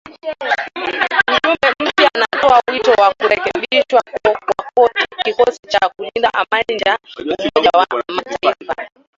Mjumbe mpya anatoa wito wa kurekebishwa kwa kikosi cha kulinda amani cha umoja wa mataifa